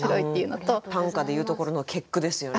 短歌で言うところの結句ですよね。